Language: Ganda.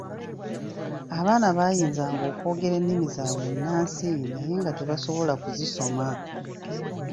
Abaana baayinzanga okwogera ennimi zaabwe ennansi naye nga tebasobola kuzisoma.